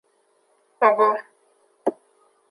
Ого!